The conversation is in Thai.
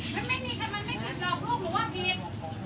มันไม่มีแต่มันไม่ผิดหรอกลูกหนูว่าผิด